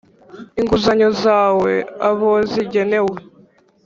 Inguzanyo zahawe abozigenewe.